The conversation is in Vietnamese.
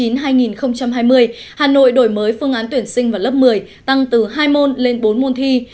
năm học hai nghìn một mươi chín hai nghìn hai mươi hà nội đổi mới phương án tuyển sinh vào lớp một mươi tăng từ hai môn lên bốn môn thi